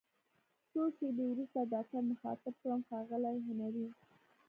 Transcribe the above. څو شیبې وروسته ډاکټر مخاطب کړم: ښاغلی هنري!